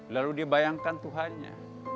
lalu dia bayangkan tuhannya